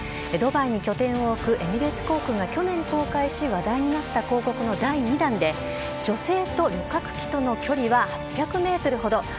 ドバイに拠点を置くエミレーツ航空が去年公開し、話題になった広告の第２弾で、女性と旅客機との距離は８００メートルほど。